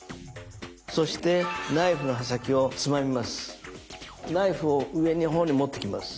そしてナイフの刃先をつまみます。